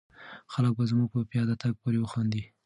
خلک به زموږ په پیاده تګ پورې وخاندي.